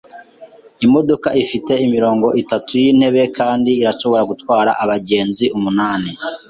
Imodoka ifite imirongo itatu yintebe kandi irashobora gutwara abagenzi umunani.